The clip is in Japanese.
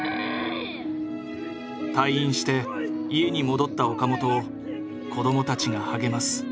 退院して家に戻った岡本を子どもたちが励ます。